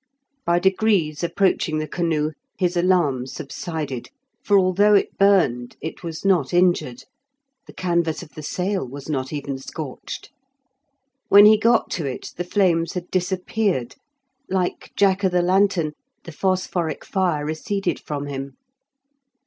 By degrees approaching the canoe his alarm subsided, for although it burned it was not injured; the canvas of the sail was not even scorched. When he got to it the flames had disappeared; like Jack o' the lantern, the phosphoric fire receded from him.